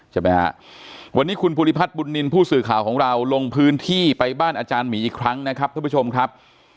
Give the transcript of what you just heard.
ใช่มั้ยฮะวันนี้คุณผู้สื่อข่าวของเราลงพื้นที่ไปบ้านอาจารย์หมีอีกครั้งนะครับทุกผู้ชมครับ